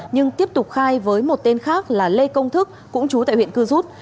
nhưng tiếp tục khai với một tên khác là lê công thức cũng chú tại huyện cư rút